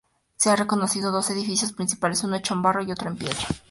Se han reconocido dos edificios principales, uno hecho en barro y otro en piedra.